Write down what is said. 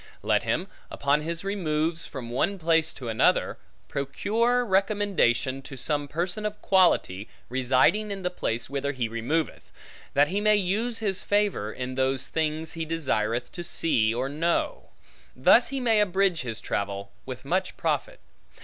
Let him, upon his removes from one place to another, procure recommendation to some person of quality, residing in the place whither he removeth; that he may use his favor, in those things he desireth to see or know. Thus he may abridge his travel, with much profit.